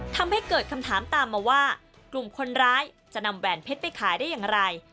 ทำให้เกิดคำถามตามมาว่ากลุ่มคนร้ายจะนำแหวนเพชรไปขายได้อย่างไร